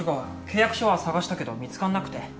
契約書は探したけど見つかんなくて。